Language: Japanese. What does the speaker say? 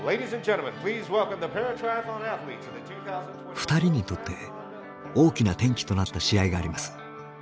２人にとって大きな転機となった試合があります。